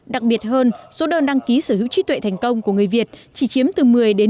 đặc biệt hơn số đơn đăng ký sở hữu trí tuệ thành công của người việt chỉ chiếm từ một mươi ba mươi